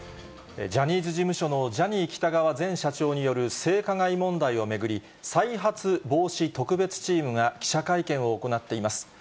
ジャニーズ事務所のジャニー喜多川前社長による性加害問題を巡り、再発防止特別チームが記者会見を行っています。